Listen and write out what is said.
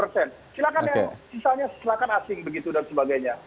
silakan ya sisanya silakan asing begitu dan sebagainya